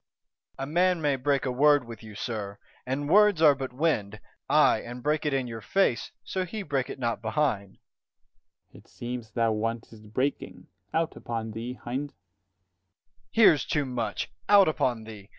_ A man may break a word with you, sir; and words are but wind; 75 Ay, and break it in your face, so he break it not behind. Dro. S. [Within] It seems thou want'st breaking: out upon thee, hind! Dro. E. Here's too much 'out upon thee!